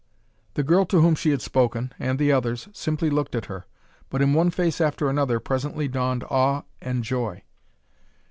The girl to whom she had spoken, and the others, simply looked at her, but in one face after another presently dawned awe and joy.